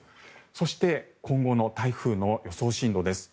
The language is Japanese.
そして今後の台風の予想進路です。